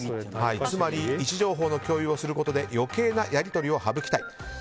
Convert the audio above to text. つまり位置情報の共有をすることで余計なやり取りを省きたい。